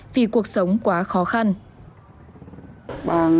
vì cuộc sống quá khó khăn